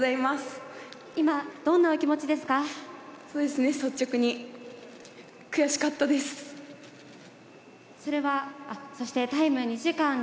今、どんなお気持ちですか？